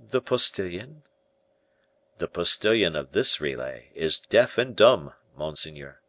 "The postilion?" "The postilion of this relay is deaf and dumb, monseigneur."